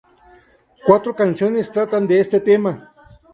Cuatro canciones tratan de este tema.